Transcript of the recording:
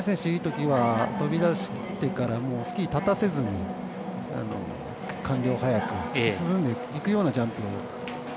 いいときは飛び出してからスキーを立たせずに高く突き進んでいくようなジャンプ。